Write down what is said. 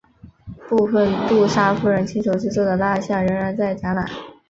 部分杜莎夫人亲手制作的蜡象仍然在展览。